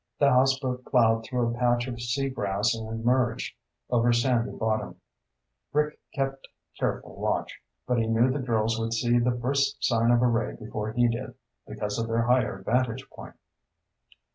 The houseboat plowed through a patch of sea grass and emerged over sandy bottom. Rick kept careful watch, but he knew the girls would see the first sign of a ray before he did, because of their higher vantage point.